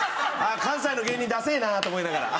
ああ関西の芸人ダセえなと思いながら。